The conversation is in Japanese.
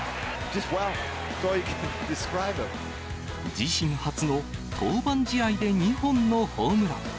自身初の登板試合で２本のホームラン。